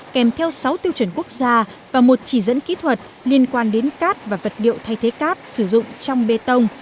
kèm theo sáu tiêu chuẩn quốc gia và một chỉ dẫn kỹ thuật liên quan đến cát và vật liệu thay thế cát sử dụng trong bê tông